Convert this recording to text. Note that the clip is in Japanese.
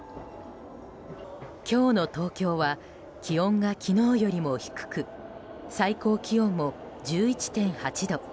今日の東京は気温が昨日よりも低く最高気温も１１．８度。